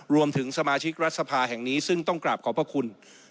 รวมถึงสมาชิกรัฐสภาแห่งนี้ซึ่งต้องกราบขอบพระคุณ